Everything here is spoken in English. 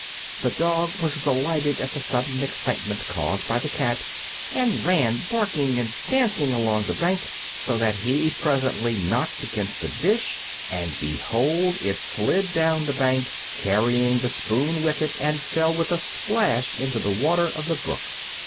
The dog was delighted at the sudden excitement caused by the cat, and ran barking and dancing along the bank, so that he presently knocked against the dish, and behold! it slid down the bank, carrying the spoon with it, and fell with a splash into the water of the brook.